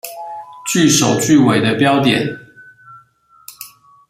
句首句尾的標點